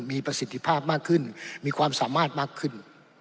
มีประสิทธิภาพมากขึ้นมีความสามารถมากขึ้น